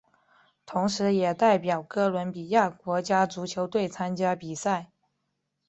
同时也代表哥伦比亚国家足球队参加比赛。